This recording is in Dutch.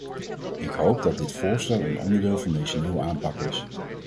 Ik hoop dat dit voorstel een onderdeel van deze nieuwe aanpak is.